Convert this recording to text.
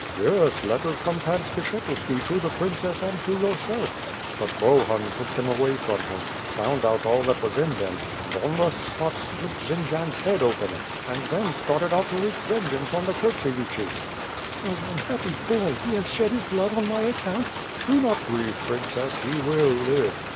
"Yes; letters from Pan Skshetuski to the princess and to yourself; but Bohun took them away from him; found out all that was in them, and on the spot split Jendzian's head open, and then started out to wreak vengeance on the Kurtsevi ches." "Oh! unhappy boy! he has shed liis blood on my account!" "Do not grieve, princess; he will live."